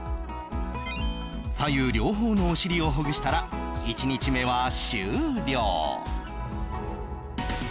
左右両方のお尻をほぐしたら１日目は終了